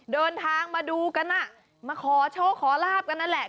เดินทางมาดูกันมาขอโชคขอลาบกันนั่นแหละ